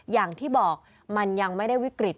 อย่างที่บอกมันยังไม่ได้วิกฤต